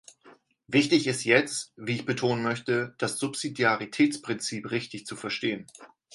Wichtig ist jetzt, wie ich betonen möchte, das Subsidiaritätsprinzip richtig zu verstehen.